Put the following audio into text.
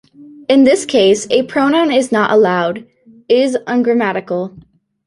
In this case, a pronoun is not allowed: is ungrammatical.